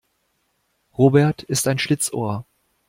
Robert ist ein Schlitzohr.